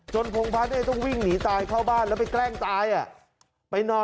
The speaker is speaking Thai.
พงพัฒน์ต้องวิ่งหนีตายเข้าบ้านแล้วไปแกล้งตายไปนอน